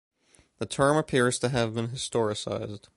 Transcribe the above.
The term appears to have been historicised.